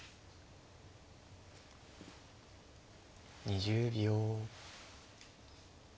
２０秒。